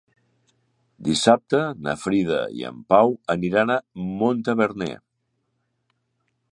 Dissabte na Frida i en Pau aniran a Montaverner.